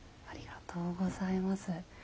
ありがとうございます。